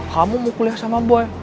kamu mau kuliah sama boy